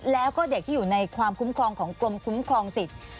แล้วก็เด็กที่อยู่ในความคุ้มครองของกรมคุ้มครองสิทธิ์